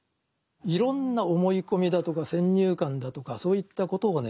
いろんな思い込みだとか先入観だとかそういったことをね